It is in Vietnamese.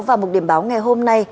và mục điểm báo ngày hôm nay